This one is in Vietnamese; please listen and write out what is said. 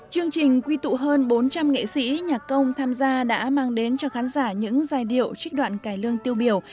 chương trình quy tụ hơn bốn trăm linh nghệ sĩ nhạc công tham gia đã mang đến cho khán giả những giai điệu trích đoạn cải lương tiêu biểu